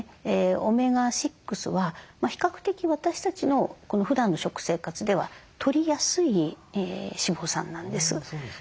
オメガ６は比較的私たちのふだんの食生活ではとりやすい脂肪酸なんです。